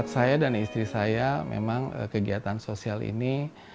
saya dan istri saya memang kegiatan sosial ini